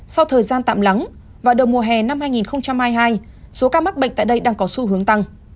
sau thời gian tạm lắng vào đầu mùa hè năm hai nghìn hai mươi hai số ca mắc bệnh tại đây đang có xu hướng tăng